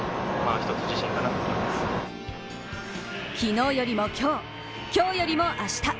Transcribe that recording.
昨日よりも今日、今日よりも明日。